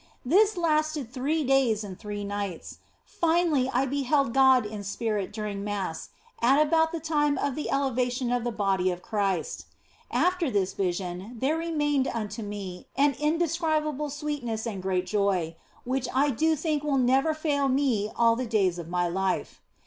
This lasted three days and three nights. Finally I be held God in spirit during Mass, at about the time of the elevation of the Bodv of Christ. After this vision there 196 THE BLESSED ANGELA remained unto me an indescribable sweetness and great joy, which I do think will never fail me all the days of my life.